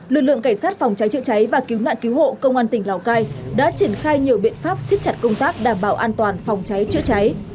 lực lượng cảnh sát phòng cháy chữa cháy và cứu nạn cứu hộ công an tỉnh lào cai đã triển khai nhiều biện pháp siết chặt công tác đảm bảo an toàn phòng cháy chữa cháy